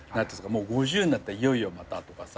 ５０になったらいよいよまたとか。